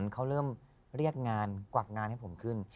เขาเริ่มเรียกงานกวักงานให้ผมขึ้น